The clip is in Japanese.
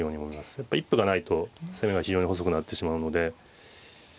やっぱ一歩がないと攻めが非常に細くなってしまうので。